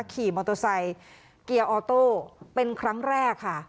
ขี่มอเตอร์ไซค์เกียร์ออโต้เป็นครั้งแรกค่ะ